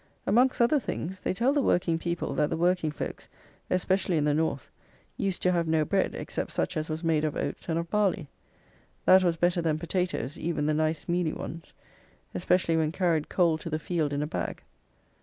Amongst other things, they tell the working people that the working folks, especially in the North, used to have no bread, except such as was made of oats and of barley. That was better than potatoes, even the "nice mealy ones;" especially when carried cold to the field in a bag.